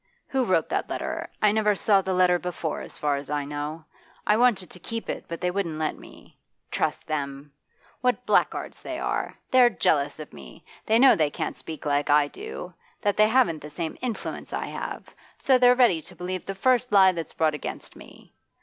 Who wrote that letter? I never saw the letter before, as far as I know. I wanted to keep it, but they wouldn't let me trust them! What black guards they are I They're jealous of me. They know they can't speak like I do, that they haven't the same influence I have. So they're ready to believe the first lie that's brought against me.